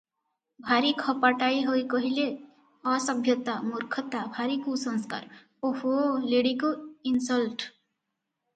ଭାରି ଖପାଟାଏ ହୋଇ କହିଲେ, "ଅସଭ୍ୟତା, ମୂର୍ଖତା, ଭାରି କୁସଂସ୍କାର! ଓହୋ! ଲେଡ଼ିକୁ ଇନସଲଟ ।"